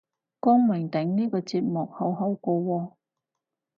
光明頂呢個節目好好個喎